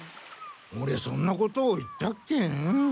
オレそんなことを言ったっけ？